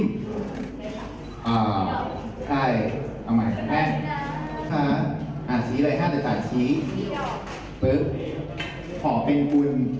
สุดท้ายก็ไม่มีเวลาที่จะรักกับที่อยู่ในภูมิหน้า